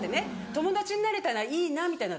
友達になれたらいいなみたいな。